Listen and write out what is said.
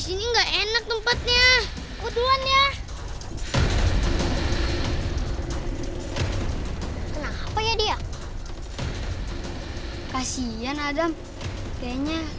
sampai jumpa di video selanjutnya